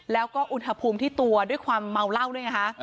แล้วก็อุณหภูมิที่ตัวด้วยความเมาเหล้าด้วยไงคะ